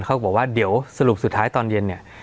เขาบอกว่าเดี๋ยวสรุปสุดท้ายตอนเย็นเนี่ย